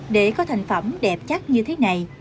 để có thành phẩm đẹp chắc như thế này